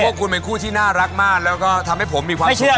พวกคุณเป็นคู่ที่น่ารักมากและทำให้ผมมีความสุขมาก